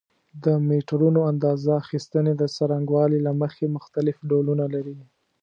د میټرونو اندازه اخیستنې د څرنګوالي له مخې مختلف ډولونه لري.